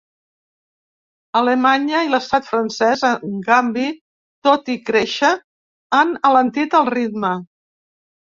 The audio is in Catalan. Alemanya i l’estat francès, en canvi, tot i créixer, han alentit el ritme.